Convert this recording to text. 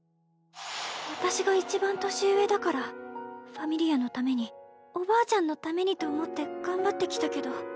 私がいちばん年上だから「Ｆａｍｉｌｉａ」のためにおばあちゃんのためにと思って頑張ってきたけど